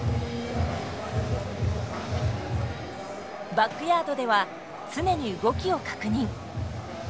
バックヤードでは常に動きを確認。